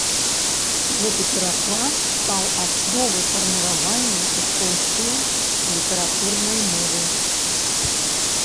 Гэты пераклад стаў асновай фарміравання эстонскае літаратурнай мовы.